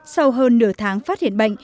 sau hơn nửa tháng phát triển